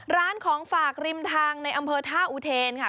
ร้านของฝากริมทางในอำเภอท่าอุเทนค่ะ